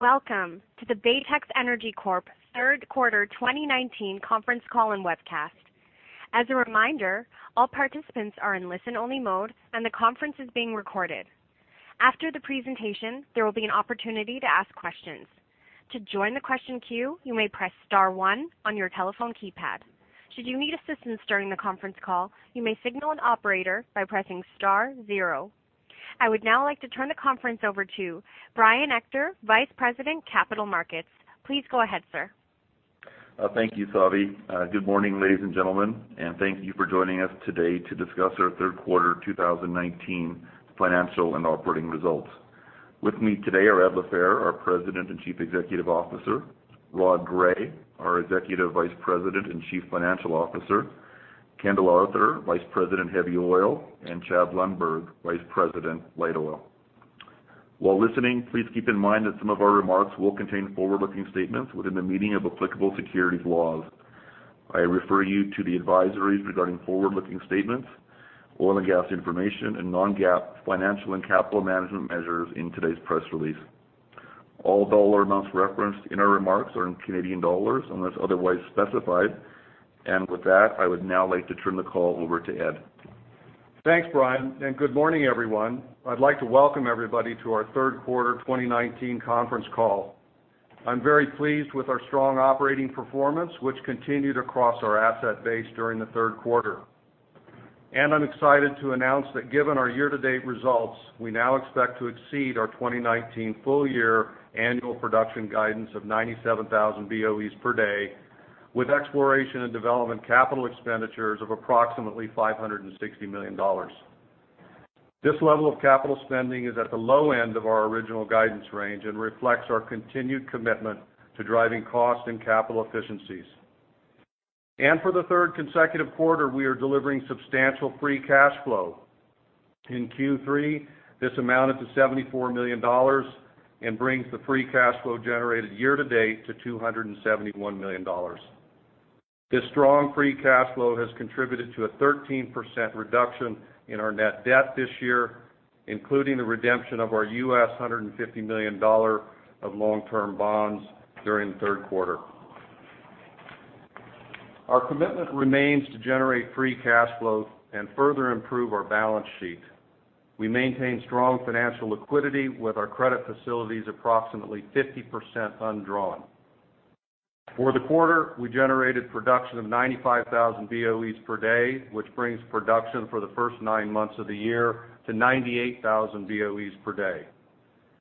Welcome to the Baytex Energy Corp third quarter 2019 conference call and webcast. As a reminder, all participants are in listen-only mode, and the conference is being recorded. After the presentation, there will be an opportunity to ask questions. To join the question queue, you may press star one on your telephone keypad. Should you need assistance during the conference call, you may signal an operator by pressing star zero. I would now like to turn the conference over to Brian Ector, Vice President, Capital Markets. Please go ahead, sir. Thank you, Savi. Good morning, ladies and gentlemen, and thank you for joining us today to discuss our third quarter 2019 financial and operating results. With me today are Ed LaFehr, our President and Chief Executive Officer; Rod Gray, our Executive Vice President and Chief Financial Officer; Kendall Arthur, Vice President, Heavy Oil; and Chad Lundberg, Vice President, Light Oil. While listening, please keep in mind that some of our remarks will contain forward-looking statements within the meaning of applicable securities laws. I refer you to the advisories regarding forward-looking statements, oil and gas information, and non-GAAP financial and capital management measures in today's press release. All dollar amounts referenced in our remarks are in Canadian dollars unless otherwise specified. And with that, I would now like to turn the call over to Ed. Thanks, Brian, and good morning, everyone. I'd like to welcome everybody to our third quarter 2019 conference call. I'm very pleased with our strong operating performance, which continued across our asset base during the third quarter. And I'm excited to announce that given our year-to-date results, we now expect to exceed our 2019 full-year annual production guidance of 97,000 BOEs per day, with exploration and development capital expenditures of approximately $560 million. This level of capital spending is at the low end of our original guidance range and reflects our continued commitment to driving cost and capital efficiencies. And for the third consecutive quarter, we are delivering substantial free cash flow. In Q3, this amounted to $74 million and brings the free cash flow generated year to date to $271 million. This strong free cash flow has contributed to a 13% reduction in our net debt this year, including the redemption of our $150 million of long-term bonds during the third quarter. Our commitment remains to generate free cash flow and further improve our balance sheet. We maintain strong financial liquidity, with our credit facilities approximately 50% undrawn. For the quarter, we generated production of 95,000 BOEs per day, which brings production for the first nine months of the year to 98,000 BOEs per day.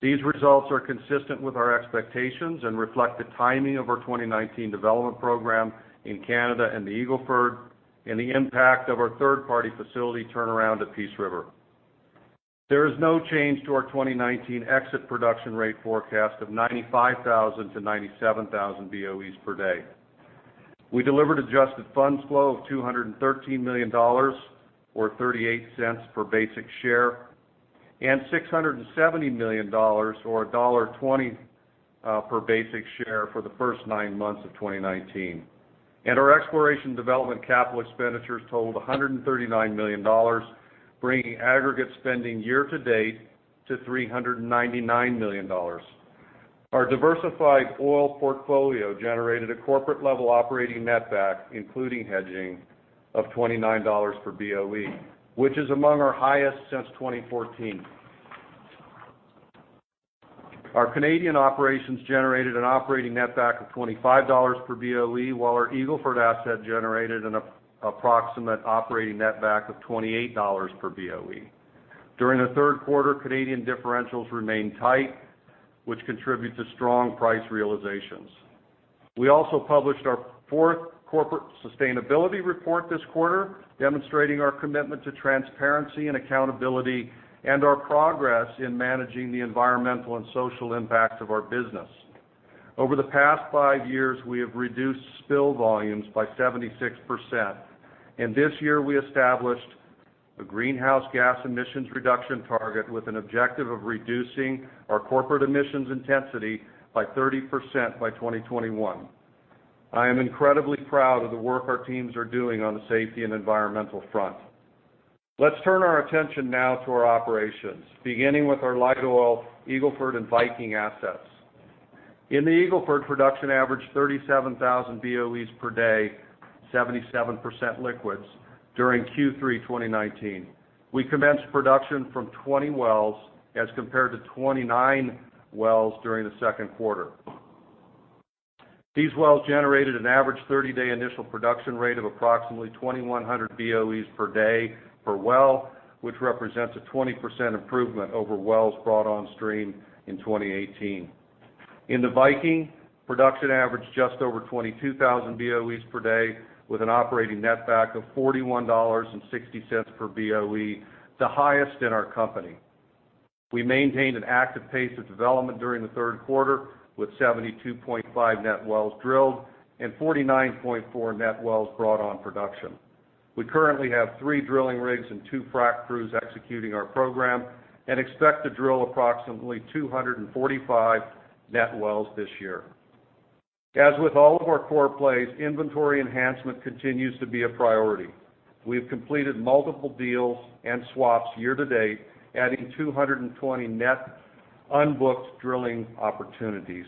These results are consistent with our expectations and reflect the timing of our 2019 development program in Canada and the Eagle Ford and the impact of our third-party facility turnaround at Peace River. There is no change to our 2019 exit production rate forecast of 95,000 to 97,000 BOEs per day. We delivered adjusted funds flow of $213 million, or $0.38 per basic share, and $670 million, or $1.20 per basic share for the first nine months of 2019. And our exploration development capital expenditures totaled $139 million, bringing aggregate spending year to date to $399 million. Our diversified oil portfolio generated a corporate-level operating netback, including hedging, of $29 per BOE, which is among our highest since 2014. Our Canadian operations generated an operating netback of $25 per BOE, while our Eagle Ford asset generated an approximate operating netback of $28 per BOE. During the third quarter, Canadian differentials remained tight, which contribute to strong price realizations. We also published our fourth corporate sustainability report this quarter, demonstrating our commitment to transparency and accountability and our progress in managing the environmental and social impact of our business. Over the past five years, we have reduced spill volumes by 76%, and this year we established a greenhouse gas emissions reduction target with an objective of reducing our corporate emissions intensity by 30% by 2021. I am incredibly proud of the work our teams are doing on the safety and environmental front. Let's turn our attention now to our operations, beginning with our light oil, Eagle Ford, and Viking assets. In the Eagle Ford, production averaged 37,000 BOEs per day, 77% liquids during Q3 2019. We commenced production from 20 wells as compared to 29 wells during the second quarter. These wells generated an average 30-day initial production rate of approximately 2,100 BOEs per day per well, which represents a 20% improvement over wells brought on stream in 2018. In the Viking, production averaged just over 22,000 BOEs per day, with an operating netback of $41.60 per BOE, the highest in our company. We maintained an active pace of development during the third quarter, with 72.5 net wells drilled and 49.4 net wells brought on production. We currently have three drilling rigs and two frack crews executing our program and expect to drill approximately 245 net wells this year. As with all of our core plays, inventory enhancement continues to be a priority. We've completed multiple deals and swaps year-to-date, adding 220 net unbooked drilling opportunities.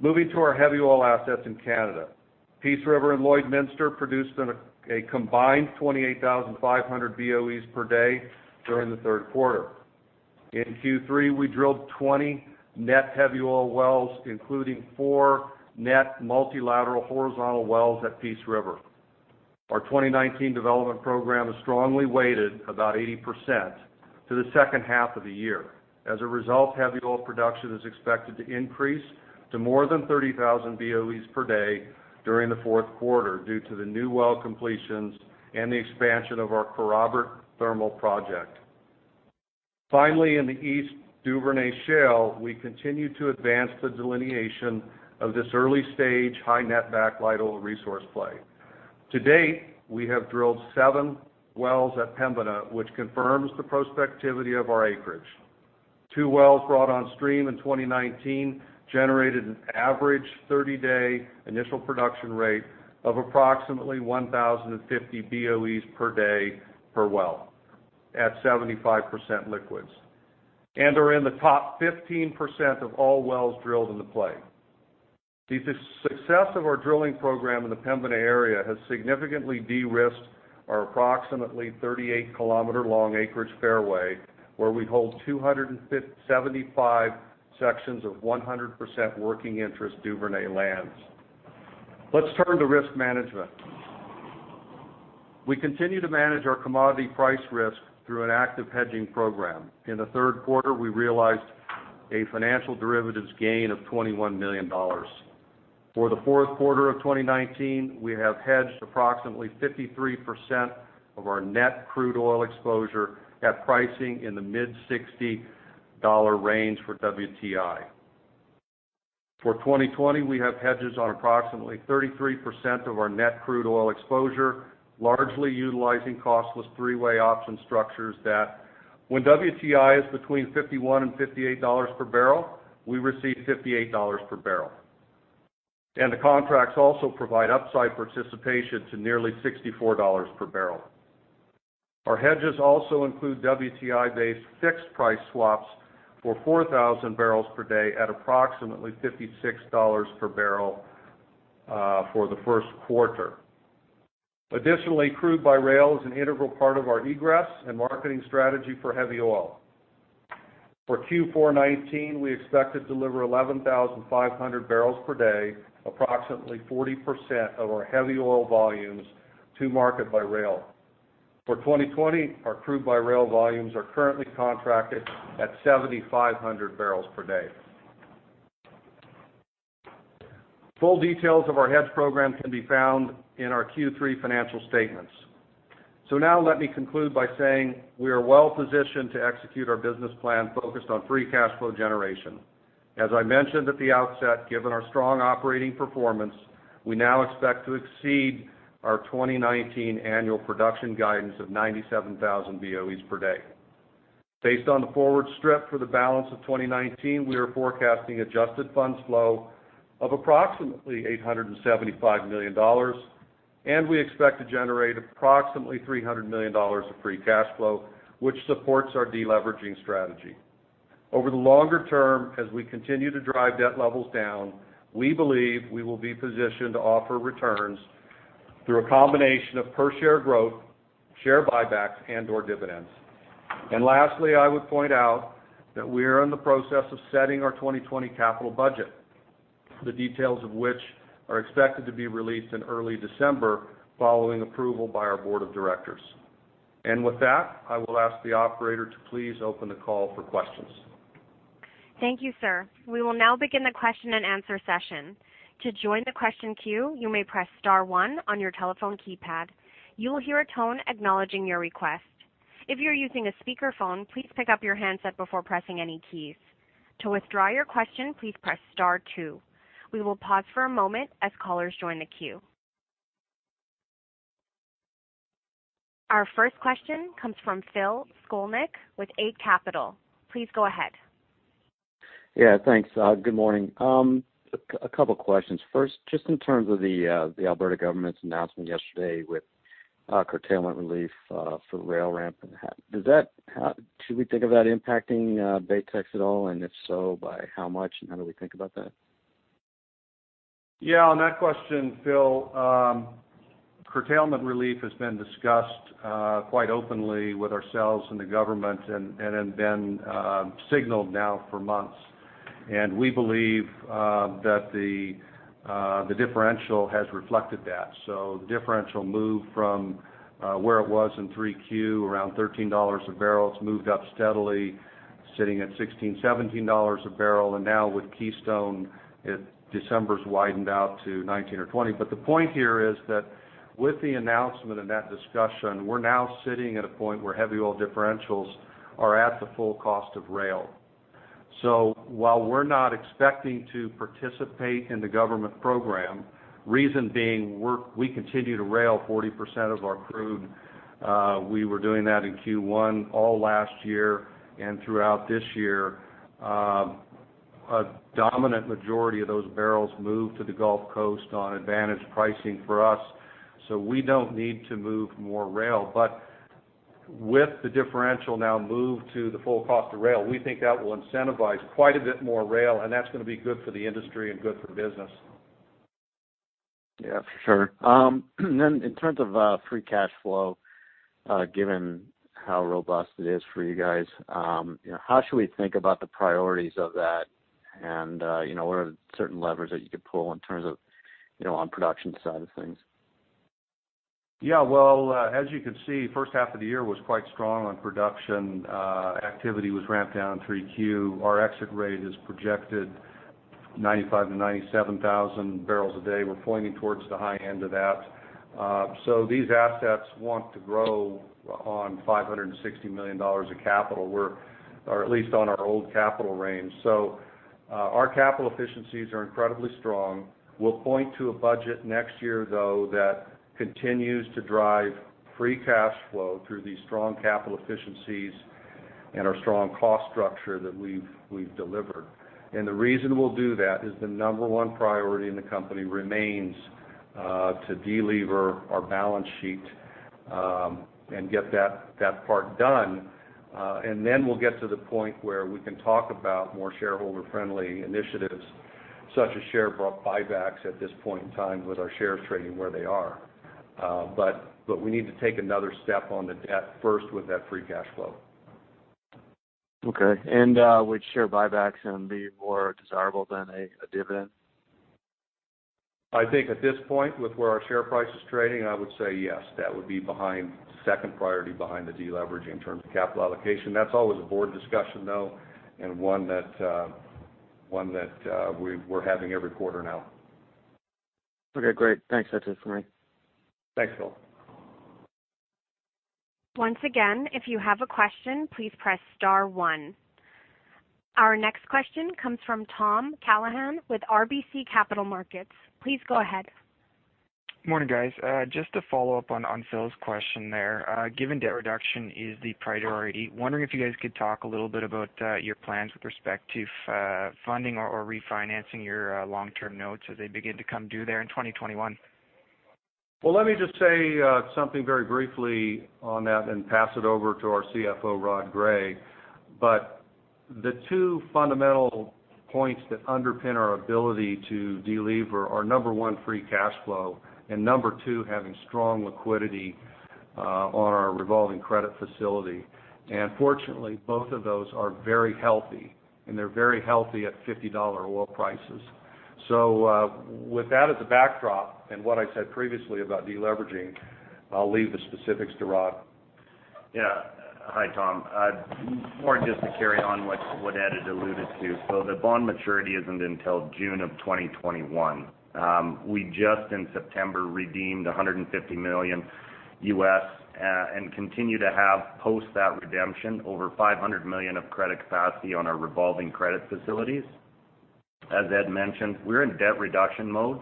Moving to our heavy oil assets in Canada. Peace River and Lloydminster produced a combined 28,500 BOEs per day during the third quarter. In Q3, we drilled 20 net heavy oil wells, including 4 net multilateral horizontal wells at Peace River. Our 2019 development program is strongly weighted about 80% to the second half of the year. As a result, heavy oil production is expected to increase to more than 30,000 BOEs per day during the fourth quarter due to the new well completions and the expansion of our Kerrobert thermal project. Finally, in the East Duvernay Shale, we continue to advance the delineation of this early-stage, high netback light oil resource play. To date, we have drilled 7 wells at Pembina, which confirms the prospectivity of our acreage. Two wells brought on stream in 2019 generated an average 30-day initial production rate of approximately 1,050 BOEs per day per well at 75% liquids and are in the top 15% of all wells drilled in the play. The success of our drilling program in the Pembina area has significantly de-risked our approximately 38-kilometer-long acreage fairway, where we hold 275 sections of 100% working interest Duvernay lands. Let's turn to risk management. We continue to manage our commodity price risk through an active hedging program. In the third quarter, we realized a financial derivatives gain of 21 million dollars. For the fourth quarter of 2019, we have hedged approximately 53% of our net crude oil exposure at pricing in the mid-$60 range for WTI. For twenty twenty, we have hedges on approximately 33% of our net crude oil exposure, largely utilizing costless three-way option structures that when WTI is between $51 and $58 per barrel, we receive $58 per barrel, and the contracts also provide upside participation to nearly $64 per barrel. Our hedges also include WTI-based fixed price swaps for 4,000 barrels per day at approximately $56 per barrel for the first quarter. Additionally, crude by rail is an integral part of our egress and marketing strategy for heavy oil. For Q4 2019, we expect to deliver 11,500 barrels per day, approximately 40% of our heavy oil volumes, to market by rail. For twenty twenty, our crude by rail volumes are currently contracted at 7,500 barrels per day. Full details of our hedge program can be found in our Q3 financial statements. So now let me conclude by saying we are well positioned to execute our business plan focused on free cash flow generation. As I mentioned at the outset, given our strong operating performance, we now expect to exceed our 2019 annual production guidance of 97,000 BOEs per day. Based on the forward strip for the balance of 2019, we are forecasting adjusted funds flow of approximately $875 million, and we expect to generate approximately $300 million of free cash flow, which supports our deleveraging strategy. Over the longer term, as we continue to drive debt levels down, we believe we will be positioned to offer returns through a combination of per share growth, share buybacks, and/or dividends. Lastly, I would point out that we are in the process of setting our 2020 capital budget, the details of which are expected to be released in early December, following approval by our board of directors. With that, I will ask the operator to please open the call for questions. Thank you, sir. We will now begin the question-and-answer session. To join the question queue, you may press star one on your telephone keypad. You will hear a tone acknowledging your request. If you're using a speakerphone, please pick up your handset before pressing any keys. To withdraw your question, please press star two. We will pause for a moment as callers join the queue. Our first question comes from Phil Skolnick with Eight Capital. Please go ahead. Yeah, thanks, good morning. A couple questions. First, just in terms of the Alberta government's announcement yesterday with curtailment relief for rail ramp-up and that. Should we think about impacting Baytex at all? And if so, by how much, and how do we think about that? Yeah, on that question, Phil, curtailment relief has been discussed quite openly with ourselves and the government and have been signaled now for months. And we believe that the differential has reflected that. So the differential moved from where it was in 3Q, around $13 a barrel. It's moved up steadily, sitting at $16-$17 a barrel, and now with Keystone, December's widened out to 19 or 20. But the point here is that with the announcement and that discussion, we're now sitting at a point where heavy oil differentials are at the full cost of rail. So while we're not expecting to participate in the government program, reason being, we continue to rail 40% of our crude. We were doing that in Q1, all last year, and throughout this year. A dominant majority of those barrels move to the Gulf Coast on advantage pricing for us, so we don't need to move more rail. But with the differential now moved to the full cost of rail, we think that will incentivize quite a bit more rail, and that's gonna be good for the industry and good for business. Yeah, for sure. Then in terms of free cash flow given how robust it is for you guys, you know, how should we think about the priorities of that? and you know, what are the certain levers that you could pull in terms of, you know, on production side of things? Yeah, well, as you can see, first half of the year was quite strong on production. Activity was ramped down in 3Q. Our exit rate is projected 95-97 thousand barrels a day. We're pointing towards the high end of that. So these assets want to grow on 560 million dollars of capital. We're, or at least on our old capital range. So, our capital efficiencies are incredibly strong. We'll point to a budget next year, though, that continues to drive free cash flow through these strong capital efficiencies and our strong cost structure that we've delivered. And the reason we'll do that is the number one priority in the company remains to delever our balance sheet and get that part done. and then we'll get to the point where we can talk about more shareholder-friendly initiatives, such as share buybacks at this point in time with our shares trading where they are, but we need to take another step on the debt first with that free cash flow. Okay. And would share buybacks then be more desirable than a dividend? I think at this point, with where our share price is trading, I would say yes, that would be behind, second priority behind the deleveraging in terms of capital allocation. That's always a board discussion, though, and one that we're having every quarter now. Okay, great. Thanks, that's it for me. Thanks, Phil. Once again, if you have a question, please press star one. Our next question comes from Tom Callahan with RBC Capital Markets. Please go ahead. Morning, guys. Just to follow up on Phil's question there. Given debt reduction is the priority, wondering if you guys could talk a little bit about your plans with respect to funding or refinancing your long-term notes as they begin to come due there in 2021? Let me just say something very briefly on that and pass it over to our CFO, Rod Gray, but the two fundamental points that underpin our ability to delever are, number one, free cash flow, and number two, having strong liquidity on our revolving credit facility, and fortunately, both of those are very healthy, and they're very healthy at $50 oil prices, so with that as a backdrop and what I said previously about deleveraging, I'll leave the specifics to Rod. Yeah. Hi, Tom. More just to carry on what Ed had alluded to, so the bond maturity isn't until June of 2021. We just, in September, redeemed $150 million and continue to have, post that redemption, over $500 million of credit capacity on our revolving credit facilities. As Ed mentioned, we're in debt reduction mode.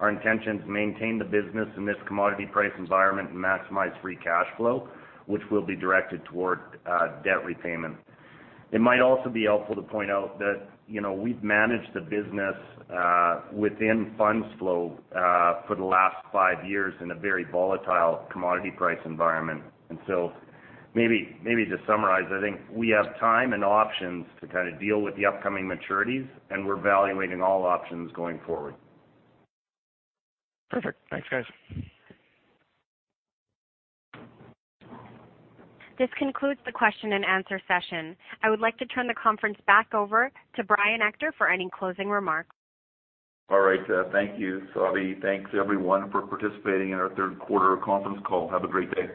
Our intention is to maintain the business in this commodity price environment and maximize free cash flow, which will be directed toward debt repayment. It might also be helpful to point out that, you know, we've managed the business within funds flow for the last five years in a very volatile commodity price environment, and so maybe to summarize, I think we have time and options to kind of deal with the upcoming maturities, and we're evaluating all options going forward. Perfect. Thanks, guys. This concludes the question and answer session. I would like to turn the conference back over to Brian Ector for any closing remarks. All right, thank you, Savi. Thanks, everyone, for participating in our third quarter conference call. Have a great day.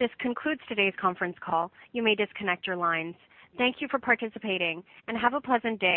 This concludes today's conference call. You may disconnect your lines. Thank you for participating, and have a pleasant day.